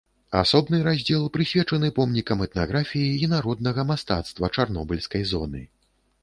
Асобны раздзел прысвечаны помнікам этнаграфіі і народнага мастацтва чарнобыльскай зоны.